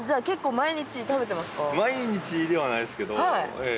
毎日ではないですけど。